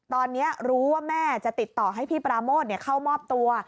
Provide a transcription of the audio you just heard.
ตอนนี้รู้ว่าแม่จะติดต่อให้พี่ปราโมทเข้ามอบตัว